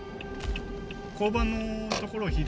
交番のところを左？